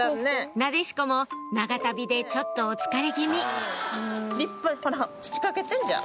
なでしこも長旅でちょっとお疲れ気味土かけてじゃあ。